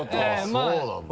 あぁそうなんだ。